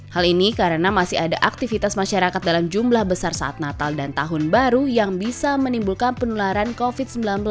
hal ini karena masih ada aktivitas masyarakat dalam jumlah besar saat natal dan tahun baru yang bisa menimbulkan penularan covid sembilan belas